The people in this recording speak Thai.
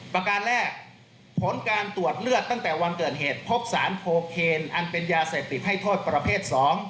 ประการแรกผลการตรวจเลือดตั้งแต่วันเกิดเหตุพบสารโพเคนอันเป็นยาเสพติดให้โทษประเภท๒